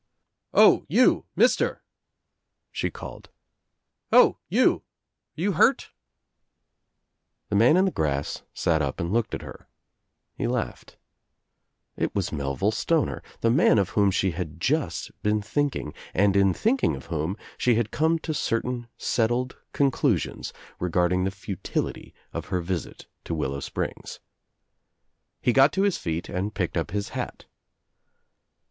"O, you Mister," she called, "O, you — are you hurt?" The man in the grass sat up and looked at her. He laughed. It was Melville Stoner, the man of whom she had just been thinking and In thinking of whom she had come to certain settled conclusions regarding the fu l86 THE TRIUMPH OF THE EGG tility of her visit to Willow Springs. He got to his feet and picked up his hat.